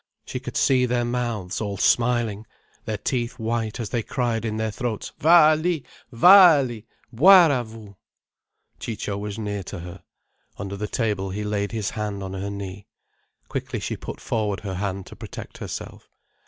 She could see their mouths all smiling, their teeth white as they cried in their throats: "Vaali! Vaali! Boire à vous." Ciccio was near to her. Under the table he laid his hand on her knee. Quickly she put forward her hand to protect herself.